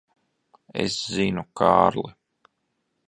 Es zinu, Kārli.